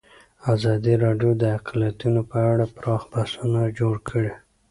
ازادي راډیو د اقلیتونه په اړه پراخ بحثونه جوړ کړي.